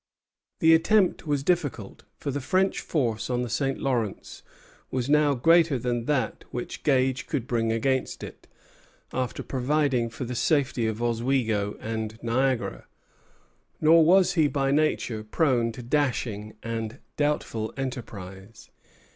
The attempt was difficult; for the French force on the St. Lawrence was now greater than that which Gage could bring against it, after providing for the safety of Oswego and Niagara. Nor was he by nature prone to dashing and doubtful enterprise.